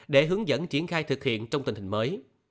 để hướng dẫn triển khai thực hiện trong tình hình mới